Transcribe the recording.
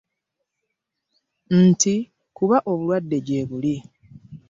Nti kuba obulwadde gye buli